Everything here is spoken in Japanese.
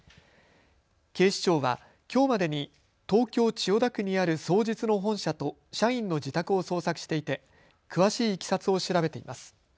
警視庁はきょうまでに東京千代田区にある双日の本社と社員の自宅を捜索していて詳しいいきさつを調べています。